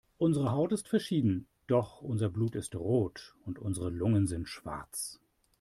Unsere Haut ist verschieden, doch unser Blut ist rot und unsere Lungen sind schwarz.